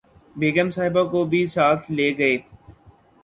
بیگم صاحبہ کو بھی ساتھ لے گئے